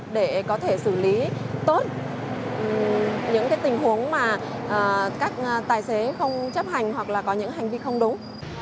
để có thể xử lý tốt những tình huống mà các tài xế không chấp hành hoặc là có những hành vi không đúng